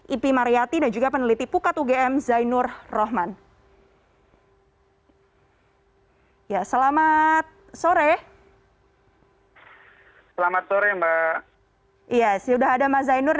ipi mariyati dan juga peneliti pukat ugm zainur rohman